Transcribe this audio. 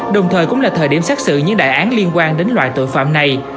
đồng thời cũng là thời điểm xác xử những đại án liên quan đến loại tội phạm này